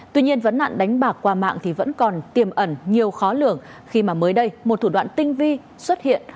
tuy nhiên vấn nạn đánh bạc qua mạng thì vẫn còn tiềm ẩn nhiều khó lường khi mà mới đây một thủ đoạn tinh vi xuất hiện